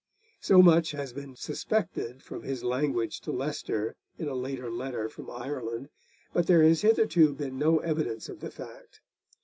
So much has been suspected, from his language to Leicester in a later letter from Ireland, but there has hitherto been no evidence of the fact.